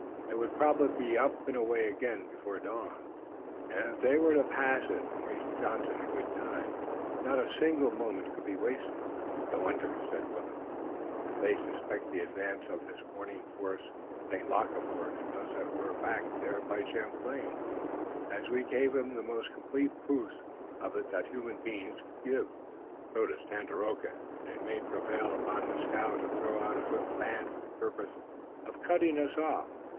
It would probably be up and away again before dawn, and if they were to pass it and reach Johnson in good time not a single moment could be wasted. "Now I wonder," said Willet, "if they suspect the advance of this warning force. St. Luc, of course, knows that we were back there by Champlain, as we gave him the most complete proofs of it that human beings could give. So does Tandakora, and they may prevail upon Dieskau to throw out a swift band for the purpose of cutting us off.